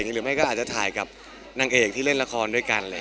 หรือไม่ก็อาจจะถ่ายกับนางเอกที่เล่นละครด้วยกัน